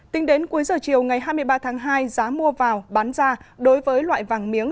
tính đến cuối giờ chiều ngày hai mươi ba tháng hai giá mua vào bán ra đối với loại vàng miếng